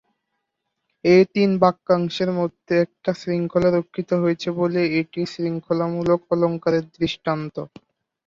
এ তিন বাক্যাংশের মধ্যে একটা শৃঙ্খলা রক্ষিত হয়েছে বলে এটি শৃঙ্খলামূলক অলঙ্কারের দৃষ্টান্ত।